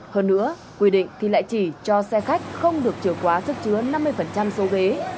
hơn nữa quy định thì lại chỉ cho xe khách không được chừa quá chất chứa năm mươi số ghế